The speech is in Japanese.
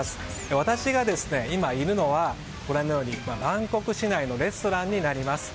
私が今いるのはご覧のようにバンコク市内のレストランになります。